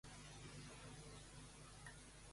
Com qualifica l'administració de Compromís?